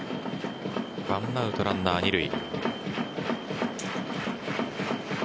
１アウトランナー二塁。